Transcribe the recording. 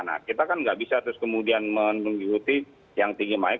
nah kita kan nggak bisa terus kemudian mengikuti yang tinggi main